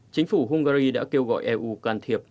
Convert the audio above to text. chính phủ hungary đã kêu gọi eu can thiệp